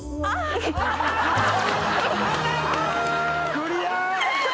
クリア。